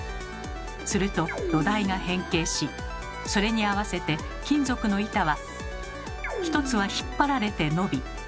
すると土台が変形しそれに合わせて金属の板は一つは引っ張られて伸び